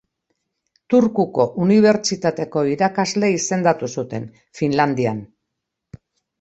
Turkuko Unibertsitateko irakasle izendatu zuten, Finlandian.